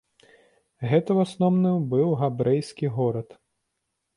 Гэта ў асноўным быў габрэйскі горад.